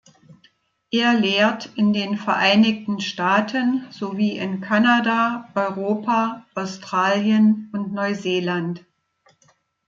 Er lehrt in den Vereinigten Staaten sowie in Kanada, Europa, Australien und Neuseeland.